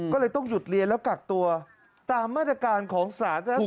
ก็เลยต้องหยุดเรียนแล้วกักตัวตามมาตรการของสาธารณสุข